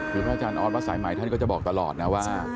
คือพระอาจารย์ออสวัดสายใหม่ท่านก็จะบอกตลอดนะว่า